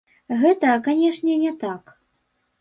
Гэта, канечне, не так.